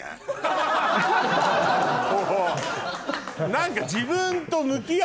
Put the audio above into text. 何か。